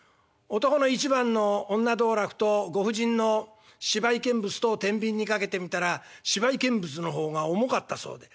男の一番の女道楽とご婦人の芝居見物とをてんびんにかけてみたら芝居見物の方が重かったそうで。